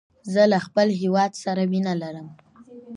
زه له خپل هيواد سره مینه لرم.